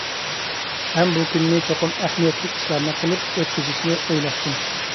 ھەم بۇ كۈننى چوقۇم ئەھمىيەتلىك ئىشلارنى قىلىپ ئۆتكۈزۈشنى ئويلاشتىم.